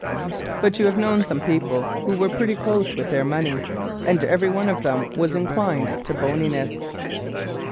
But you have known some people who were pretty close with their money. And every one of them was inclined to boniness.